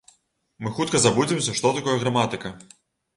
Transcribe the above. Мы хутка забудземся, што такое граматыка.